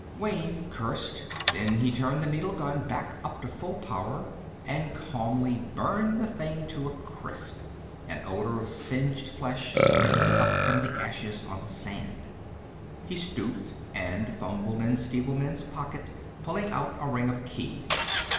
Wayne cursed. Then he turned the needle gun back up to full power and calmly burned the thing to a crisp. An odor of singed flesh drifted up from the ashes on the sand. He stooped and fumbled in Stevelman's pocket, pulling out a ring of keys.